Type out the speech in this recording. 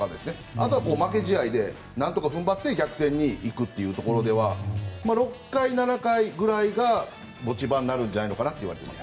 あとは負け試合で何とか踏ん張って逆転にいくというところでは６回、７回ぐらいが持ち場になるのではと言われています。